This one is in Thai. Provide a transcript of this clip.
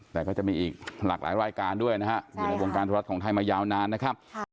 แต่ก็จะมีอีกหลากหลายรายการด้วยนะฮะอยู่ในวงการธุรัฐของไทยมายาวนานนะครับ